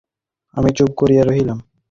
আমি চুপ করিয়া রহিলাম।